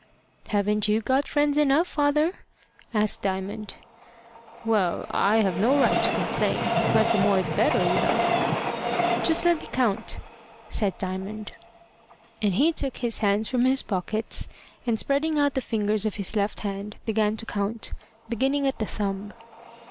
"Haven't you got friends enough, father?" asked Diamond. "Well, I have no right to complain; but the more the better, you know." "Just let me count," said Diamond. And he took his hands from his pockets, and spreading out the fingers of his left hand, began to count, beginning at the thumb.